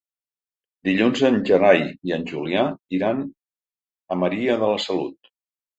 Dilluns en Gerai i en Julià iran a Maria de la Salut.